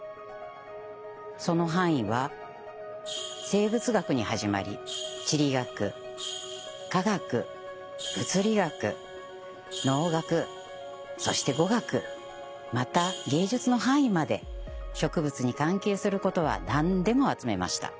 その範囲は生物学に始まり地理学化学物理学農学そして語学また芸術の範囲まで植物に関係することは何でも集めました。